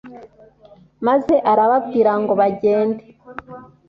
maze arababwira ngo bagende